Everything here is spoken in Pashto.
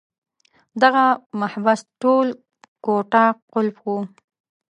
دغه محبس ټول کوټه قلف وو.